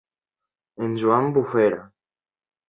En Joan Bufera.